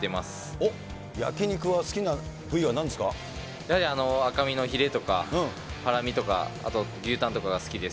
おっ、焼き肉は、好きな部位やはり赤身のヒレとか、ハラミとか、あと牛タンとかが好きです。